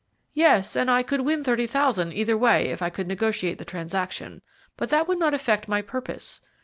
"Yes, and I could win thirty thousand either way if I could negotiate the transaction, but that would not effect my purpose.